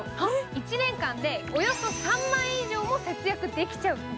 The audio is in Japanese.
１年間でおよそ３万円以上も節約できちゃう。